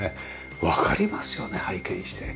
わかりますよね拝見して。